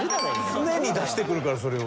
常に出してくるからそれを。